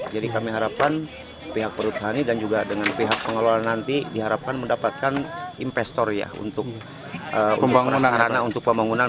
jadi kami harapkan pihak perutani dan juga dengan pihak pengelola nanti diharapkan mendapatkan investor ya untuk sarana untuk pembangunan